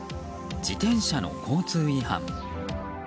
自転車の交通違反。